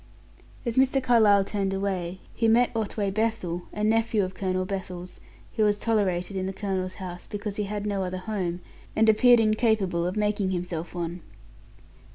As Mr. Carlyle turned away, he met Otway Bethel, a nephew of Colonel Bethel's, who was tolerated in the colonel's house because he had no other home, and appeared incapable to making himself one.